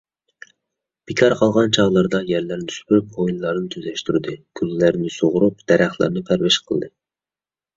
بىكار قالغان چاغلىرىدا يەرلەرنى سۈپۈرۈپ، ھويلىلارنى تۈزەشتۈردى. گۈللەرنى سۇغىرىپ، دەرەخلەرنى پەرۋىش قىلدى.